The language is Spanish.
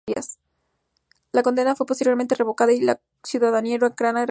La condena fue posteriormente revocada y la ciudadanía ucraniana restaurada.